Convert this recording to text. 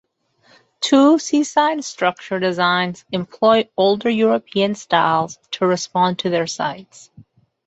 Two seaside structure designs employ older European styles to respond to their sites.